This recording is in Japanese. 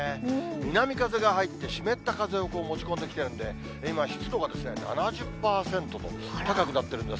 南風が入って、湿った風を持ち込んできてるんで、今、湿度が７０％と、高くなってるんです。